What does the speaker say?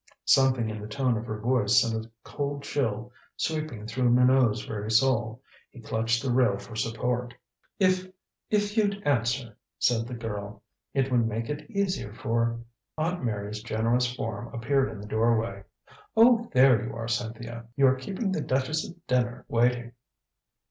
Something in the tone of her voice sent a cold chill sweeping through Minot's very soul. He clutched the rail for support. "If if you'd answer," said the girl, "it would make it easier for " Aunt Mary's generous form appeared in the doorway. "Oh, there you are, Cynthia! You are keeping the duchess' dinner waiting."